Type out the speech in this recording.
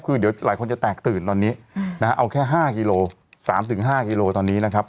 คือเดี๋ยวหลายคนจะแตกตื่นตอนนี้นะฮะเอาแค่๕กิโล๓๕กิโลตอนนี้นะครับ